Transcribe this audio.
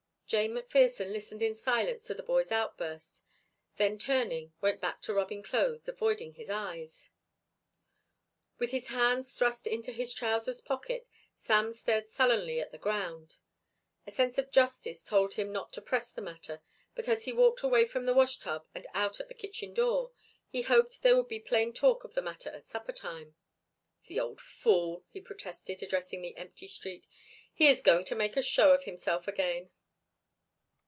Jane McPherson listened in silence to the boy's outburst, then, turning, went back to rubbing clothes, avoiding his eyes. With his hands thrust into his trousers pocket Sam stared sullenly at the ground. A sense of justice told him not to press the matter, but as he walked away from the washtub and out at the kitchen door, he hoped there would be plain talk of the matter at supper time. "The old fool!" he protested, addressing the empty street. "He is going to make a show of himself again."